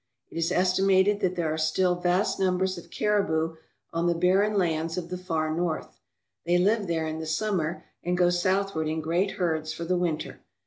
It is estimated that there are still vast numbers of caribou on the barren lands of the Far North. They live there in the summer and go southward in great herds for the winter.